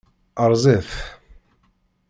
Rẓiɣ-t.